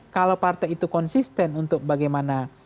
kalau partai itu konsisten untuk bagaimana